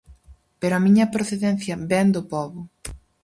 Pero a miña procedencia vén do pobo.